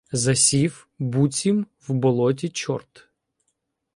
Засів, буцім в болоті чорт.